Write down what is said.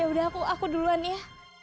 ya udah aku aku duluan ya